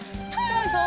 よいしょ！